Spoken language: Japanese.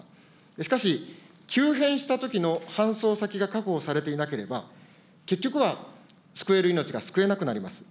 しかし、急変したときの搬送先が確保されていなければ、結局は救える命が救えなくなります。